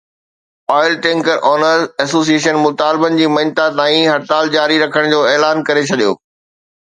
oil tanker owners association مطالبن جي مڃتا تائين هڙتال جاري رکڻ جو اعلان ڪري ڇڏيو